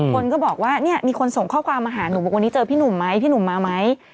คนก็บอกว่าเนี่ยมีคนส่งข้อความมาหาหนูบอกวันนี้เจอพี่หนุ่มไหมพี่หนุ่มมาไหม